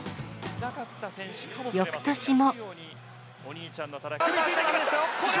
よくとしも。